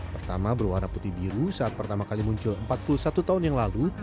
pertama berwarna putih biru saat pertama kali muncul empat puluh satu tahun yang lalu